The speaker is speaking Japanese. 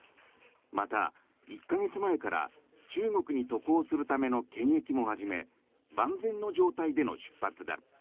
また、１か月前から中国に渡航するための検疫も始め万全の状態での出発だ。